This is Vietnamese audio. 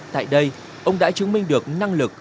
tại đây ông đã chứng minh được năng lực